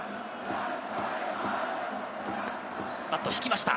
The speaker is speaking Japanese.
バット、引きました。